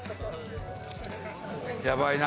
やばいな。